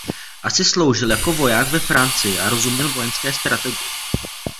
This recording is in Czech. Asi sloužil jako voják ve Francii a rozuměl vojenské strategii.